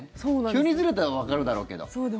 急にずれたらわかるだろうけど。